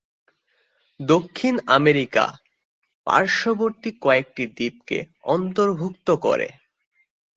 দক্ষিণ আমেরিকা পার্শ্ববর্তী কয়েকটি দ্বীপকে অন্তর্ভুক্ত করে।